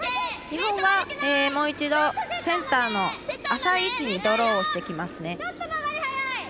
日本はもう一度、センターの浅い位置にドローをしてきますね。